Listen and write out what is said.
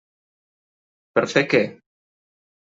Per fer què?